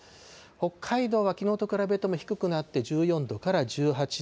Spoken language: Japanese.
北海道はきのうと比べると低くなって、１４度から１８度。